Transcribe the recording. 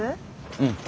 うん。